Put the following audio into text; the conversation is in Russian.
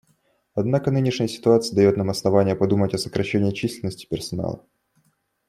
Однако нынешняя ситуация дает нам основания подумать о сокращении численности персонала.